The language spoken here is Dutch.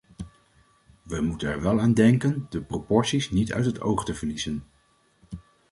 Wij moeten er wel aan denken de proporties niet uit het oog te verliezen.